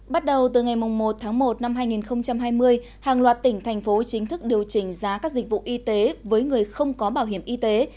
bắt đầu từ ngày một tháng một năm hai nghìn hai mươi hàng loạt tỉnh thành phố chính thức điều chỉnh giá các dịch vụ y tế với người không có bảo hiểm y tế